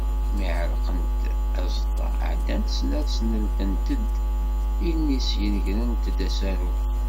Mi ɛellqent aẓeṭṭa, ɛeddant snat sneltent-d ilni syen grent-d asaru.